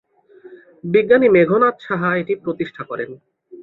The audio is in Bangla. বিজ্ঞানী মেঘনাদ সাহা এটি প্রতিষ্ঠা করেন।